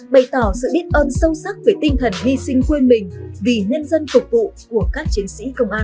bày tỏ sự biết ơn sâu sắc về tinh thần hy sinh quên mình vì nhân dân phục vụ của các chiến sĩ công an